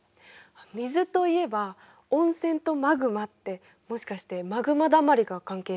水といえば温泉とマグマってもしかしてマグマだまりが関係してる？